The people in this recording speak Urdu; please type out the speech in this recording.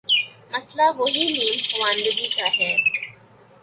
مسئلہ وہی نیم خواندگی کا ہے۔